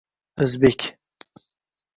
Ўзбек